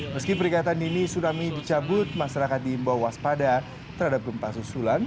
meski peringatan dini tsunami dicabut masyarakat diimbau waspada terhadap gempa susulan